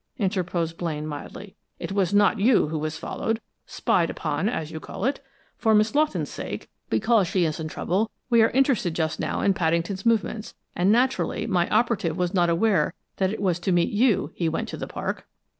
interposed Blaine, mildly. "It was not you who was followed, spied upon, as you call it. For Miss Lawton's sake, because she is in trouble, we are interested just now in Paddington's movements, and naturally my operative was not aware that it was to meet you he went to the park."